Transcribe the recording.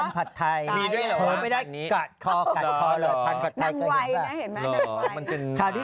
มีด้วยหรือไง